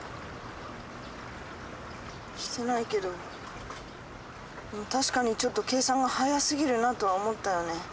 してないけど確かにちょっと計算が速すぎるなとは思ったよね。